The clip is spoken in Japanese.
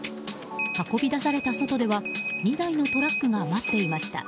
運び出された外では２台のトラックが待っていました。